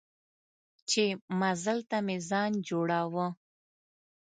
چې مزل ته مې ځان جوړاوه.